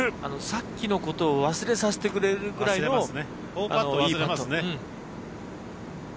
さっきのことを忘れさせてくれるくらいのいいパットね。